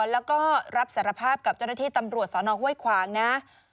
แล้วก็รับสารภาพกับเจ้าหน้าที่ตำรวจสนห้วยขวางนะ